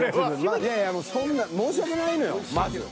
いやいやもうそんなん申し訳ないのよまず。